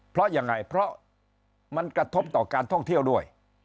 เพราะยังไงเพราะมันกระทบต่อการท่องเที่ยวด้วย